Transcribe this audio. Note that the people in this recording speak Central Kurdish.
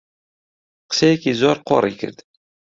قسەیەکی زۆر قۆڕی کرد